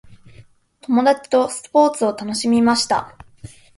友達とスポーツを楽しみました。